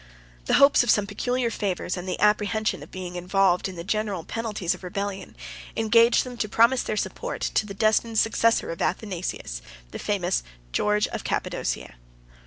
The hopes of some peculiar favors, and the apprehension of being involved in the general penalties of rebellion, engaged them to promise their support to the destined successor of Athanasius, the famous George of Cappadocia.